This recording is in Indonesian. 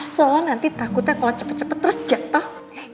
soalnya nanti takutnya kalau cepet cepet terus jatuh